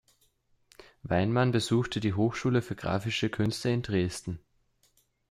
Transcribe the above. Weinmann besuchte die Hochschule für grafische Künste in Dresden.